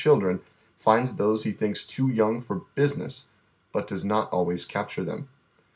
Children finds those he thinks too joung for " biisineea," but does not always capture tlieni.